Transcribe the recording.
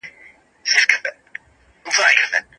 که رڼا وي نو توره شپه نه وي.